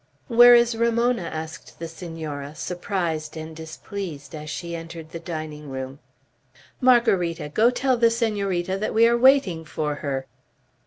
"Where is Ramona?" asked the Senora, surprised and displeased, as she entered the dining room, "Margarita, go tell the Senorita that we are waiting for her."